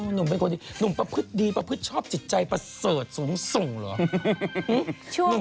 หนุ่มเป็นคนดีหนุ่มประพฤติดีประพฤติชอบจิตใจประเสริฐสูงส่งเหรอ